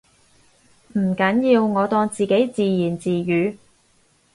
唔緊要，我當自己自言自語